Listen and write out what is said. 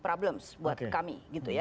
problems buat kami